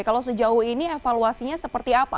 kalau sejauh ini evaluasinya seperti apa